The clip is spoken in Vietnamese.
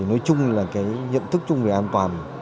nói chung là nhận thức chung về an toàn